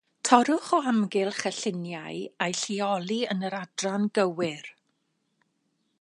Torrwch o amgylch y lluniau a'u lleoli yn yr adran gywir